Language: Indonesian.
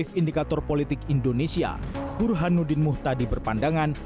dan direktur politik indonesia burhanuddin muhtadi berpandangan